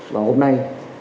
và hôm nay